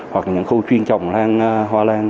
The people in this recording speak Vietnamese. hoặc là những khu chuyên trồng hoa lan